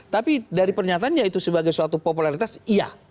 tapi dari pernyataannya itu sebagai suatu popularitas iya